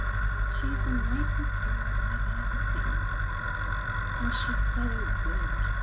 "She's the nicest girl I've ever seen." "And she's so good.